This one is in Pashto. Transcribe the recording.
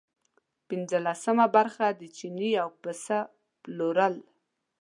پنځلسمه برخه د چیني او پسه پلورل.